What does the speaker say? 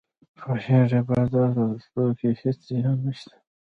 پوهیږې بازار ته تلو کې هیڅ زیان نشته